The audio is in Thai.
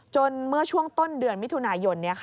เมื่อช่วงต้นเดือนมิถุนายน